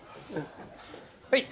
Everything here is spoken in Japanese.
はい。